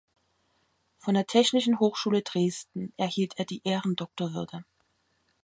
Von der Technischen Hochschule Dresden erhielt er die Ehrendoktorwürde.